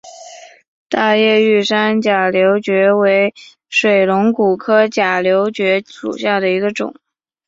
大叶玉山假瘤蕨为水龙骨科假瘤蕨属下的一个种。